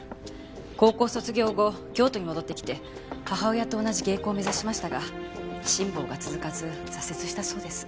高校卒業後京都に戻ってきて母親と同じ芸妓を目指しましたが辛抱が続かず挫折したそうです。